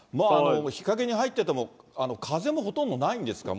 日陰に入ってても、風もほとんどないんですか？